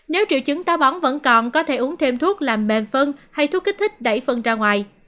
nếu triệu chứng tá bóng vẫn còn có thể uống thêm thuốc làm mềm phân hay thuốc kích thích đẩy phân ra ngoài